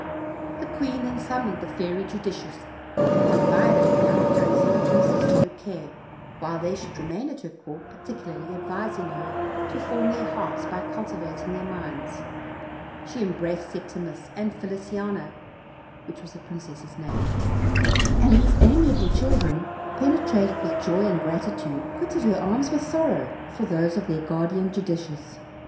The queen then summoned the Fairy Judicious, and confided the young prince and princess to her care while they should remain at her court, particularly advising her to form their hearts by cultivating their minds; she embraced Septimus and Feliciana (which was the prin cess' name), and these amiable children, penetrated with joy and gratitude, quitted her arms with sorrow for those of their guardian Judicious.